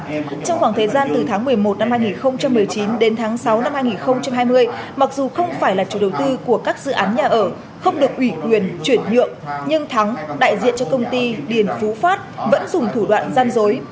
trong khoảng thời gian từ tháng một mươi một năm hai nghìn một mươi chín đến tháng sáu năm hai nghìn hai mươi mặc dù không phải là chủ đầu tư của các dự án nhà ở không được ủy quyền chuyển nhượng nhưng thắng đại diện cho công ty điền phú phát vẫn dùng thủ đoạn gian dối